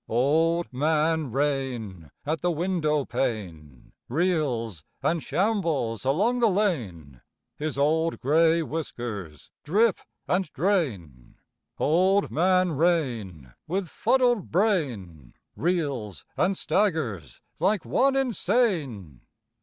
Old Man Rain at the windowpane Reels and shambles along the lane: His old gray whiskers drip and drain: Old Man Rain with fuddled brain Reels and staggers like one insane.